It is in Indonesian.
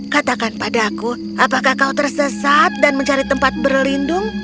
katakan padaku apakah kau tersesat dan mencari tempat berlindung